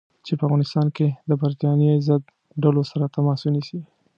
چې په افغانستان کې د برټانیې ضد ډلو سره تماس ونیسي.